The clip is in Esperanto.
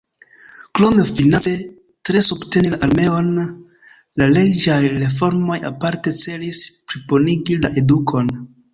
Krom finance tre subteni la armeon, la reĝaj reformoj aparte celis plibonigi la edukon.